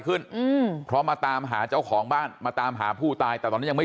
อืมเพราะมาตามหาเจ้าของบ้านมาตามหาผู้ตายแต่ตอนนี้ยังไม่